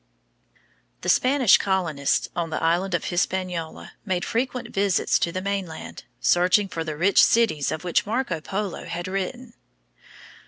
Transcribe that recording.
The Spanish colonists on the island of Hispaniola made frequent visits to the mainland, searching for the rich cities of which Marco Polo had written.